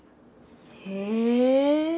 へえ。